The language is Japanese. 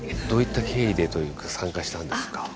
どういった経緯でというか参加したんですか？